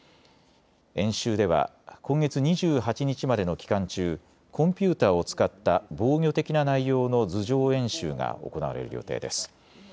演習では今月２８日までの期間中、コンピューターを使った防御的な内容の図上演習が行われる予定です。